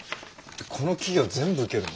この企業全部受けるの？